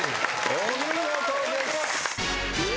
お見事です。